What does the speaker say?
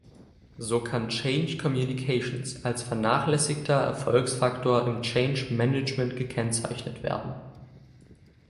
So kann Change Communications als vernachlässigter Erfolgsfaktor im Change Management gekennzeichnet werden.